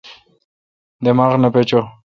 دماغ نہ پچو۔